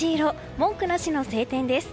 文句なしの晴天です。